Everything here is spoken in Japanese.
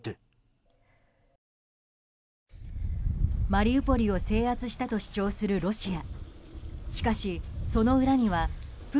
マリウポリを制圧したと主張するロシア。